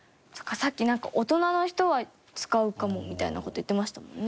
さっき、なんか大人の人は使うかもみたいな事言ってましたもんね。